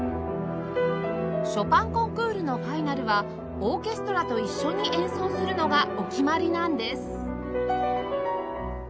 ショパンコンクールのファイナルはオーケストラと一緒に演奏するのがお決まりなんです